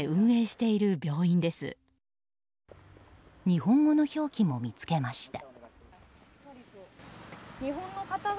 日本語の表記も見つけました。